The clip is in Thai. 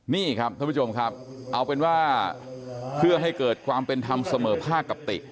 นี่ครับท่านผู้ชมครับเอาเป็นว่าเพื่อให้เกิดความเป็นธรรมเสมอภาคกับติ